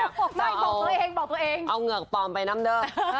เอาเหงืออกปลอมไปนั้มเด๊อะ